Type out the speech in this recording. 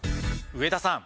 上田さん